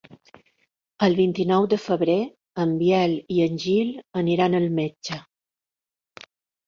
El vint-i-nou de febrer en Biel i en Gil aniran al metge.